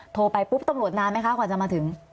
โทรไปตมนานไหมคะก่อนจะมาถึง